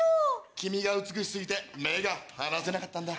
君が美し過ぎて目が離せなかったんだ。